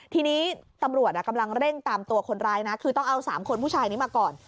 ทีนี้ตำรวจกำลังเร่งตามตัวคนร้ายนะคือต้องเอา๓คนผู้ชายนี้มาก่อน